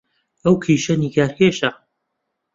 ئەو کیژە نیگارکێشە